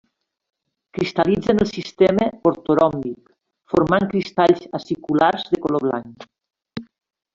Cristal·litza en el sistema ortoròmbic, formant cristalls aciculars de color blanc.